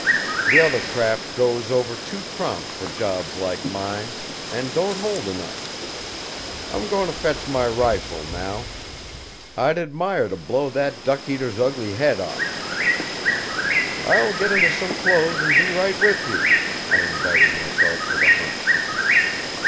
The other craft goes over too prompt for jobs like mine, and don't hold enough. I'm going to fetch my rifle, now. I'd admire to blow that duck eater's ugly head off." "I will get into some clothes and be right with you," I invited myself to the hunt.